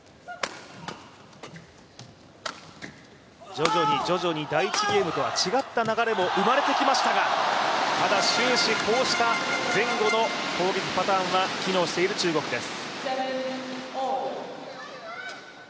徐々に徐々に第１ゲームとは違った流れも生まれてきましたが、ただ、終始、こうした前後の攻撃パターンは機能している中国です。